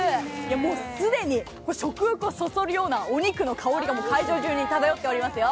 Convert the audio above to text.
もう既に食欲をそそるようなお肉の香りが会場中に漂っておりますよ。